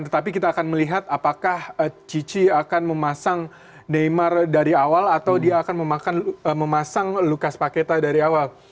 tetapi kita akan melihat apakah cici akan memasang neymar dari awal atau dia akan memasang lukas paketa dari awal